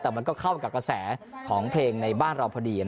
แต่มันก็เข้ากับกระแสของเพลงในบ้านเราพอดี